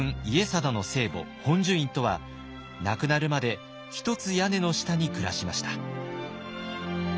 家定の生母本寿院とは亡くなるまで一つ屋根の下に暮らしました。